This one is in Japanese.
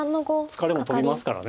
疲れも飛びますから。